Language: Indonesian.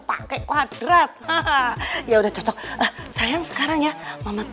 tante datengnya terlambat